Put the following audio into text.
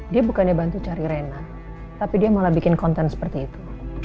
dia bukannya bantu cari rena tapi dia malah bikin konten seperti itu